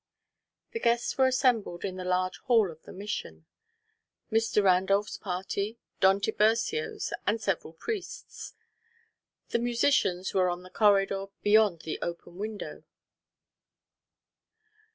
The guests were assembled in the large hall of the Mission: Mr. Randolph's party, Don Tiburcio's, and several priests. The musicians were on the corridor beyond the open window.